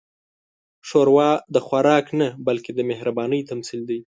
ښوروا د خوراک نه، بلکې د مهربانۍ تمثیل دی.